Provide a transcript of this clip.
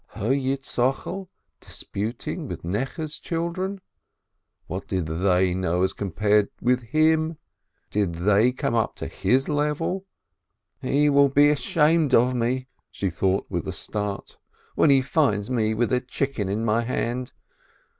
Her Yitz chokel disputing with Necheh's children? What did they know as compared with him ? Did they come up to his level? "He will be ashamed of me," she thought with a start, "when he finds me with a chicken in my hand.